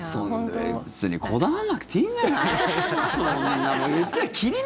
別にこだわんなくていいんだよな。